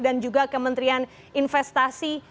dan juga kementerian investasi